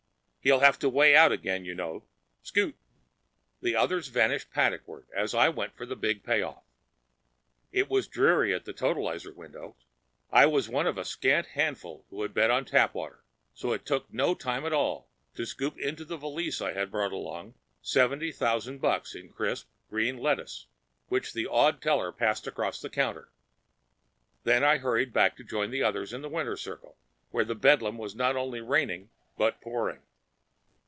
He'll have to weigh out again, you know. Scoot!" The others vanished paddockward as I went for the big payoff. It was dreary at the totalizer windows. I was one of a scant handful who had bet on Tapwater, so it took no time at all to scoop into the valise I had brought along the seventy thousand bucks in crisp, green lettuce which an awed teller passed across the counter. Then I hurried back to join the others in the winner's circle, where bedlam was not only reigning but pouring.